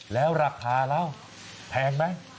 แล้วราคาแล้วแพงมั้ย